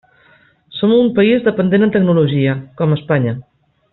Som un país dependent en tecnologia, com Espanya.